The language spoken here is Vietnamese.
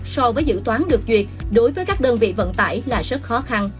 so với dự toán được duyệt đối với các đơn vị vận tải là rất khó khăn